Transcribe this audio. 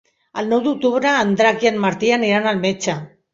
El nou d'octubre en Drac i en Martí aniran al metge.